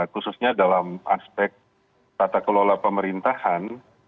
khususnya dalam aspek tata kelola pemerintahan